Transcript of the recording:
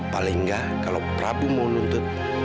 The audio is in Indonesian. paling nggak kalau prabu mau nuntut